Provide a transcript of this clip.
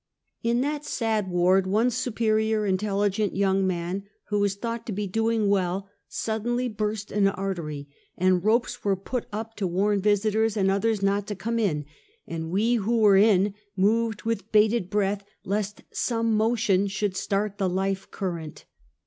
In that sad ward one superior, intelligent young man, who was thonglit to be doing well, suddenly burst an artery, and ropes were put up to warn visitors and others not to come in, and we v/ho were in, moved with bated breath lest some motion should start the life current.